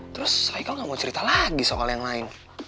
terus haikal gak mau cerita lagi soal yang lain